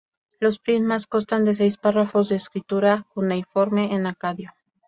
Los prismas constan de seis párrafos de escritura cuneiforme en acadio.